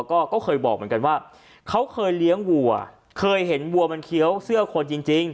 ก็ก็เคยบอกเหมือนกันว่าเขาเคยเลี้ยงวัวเคยเห็นวัวมันเคี้ยวเสื้อคนจริง